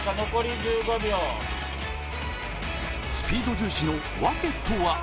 スピード重視の訳とは？